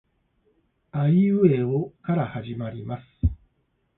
あいうえおから始まります